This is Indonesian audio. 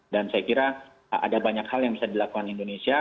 dan saya kira ada banyak hal yang bisa dilakukan indonesia